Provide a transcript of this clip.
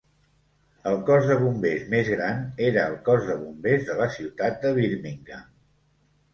El cos de bombers més gran era el Cos de Bombers de la ciutat de Birmingham.